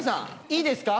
いいですか。